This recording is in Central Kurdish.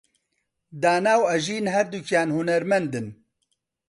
دانا و ئەژین هەردووکیان هونەرمەندن.